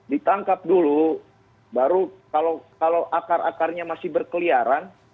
ditangkap dulu baru kalau akar akarnya masih berkeliaran